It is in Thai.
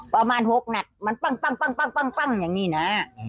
ประมาณ๖นัดมันปั้งอย่างนี้นะ